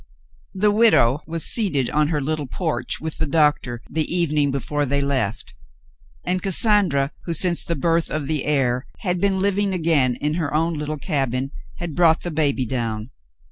The widow was seated on her little porch with the doctor, the evening before they left, and Cassandra, who, since the birth of the heir, had been living again in her own little cabin, had brought the baby down.